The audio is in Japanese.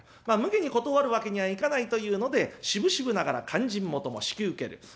まあむげに断るわけにはいかないというのでしぶしぶながら勧進元も引き受ける。